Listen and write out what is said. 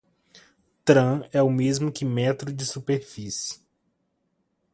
"Tram" é o mesmo que metro de superfície.